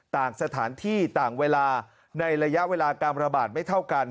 ต่างสถานที่ต่างเวลาในระยะเวลาการระบาดไม่เท่ากัน